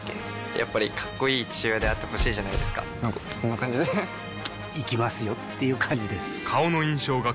やっぱりかっこいい父親であってほしいじゃないですかなんかこんな感じで行きますよっていう感じです